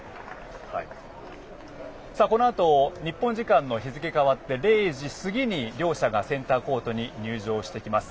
このあと日本時間の日付変わって０時過ぎに両者がセンターコートに入場してきます。